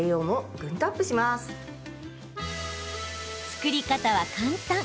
作り方は簡単。